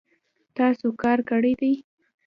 تاسو کار کړی دی